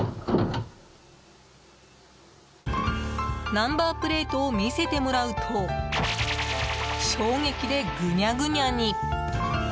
ナンバープレートを見せてもらうと衝撃でグニャグニャに。